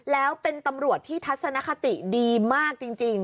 แล้วเป็นตำรวจที่ทัศนคติดีมากจริง